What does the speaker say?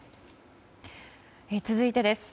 続いてです。